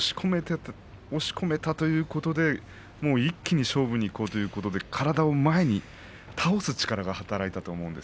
押し込めたということで徳勝龍は一気に勝負に出ようということで体を前に倒す力が働きました。